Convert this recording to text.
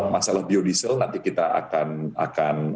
masalah biodiesel nanti kita akan bicarakan karena ini kan masalahnya